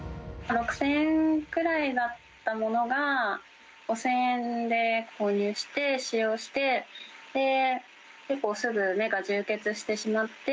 ６０００円くらいだったものが、５０００円で購入して、使用して、結構すぐ目が充血してしまって。